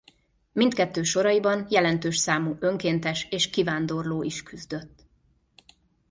Mindkettő soraiban jelentős számú önkéntes és kivándorló is küzdött.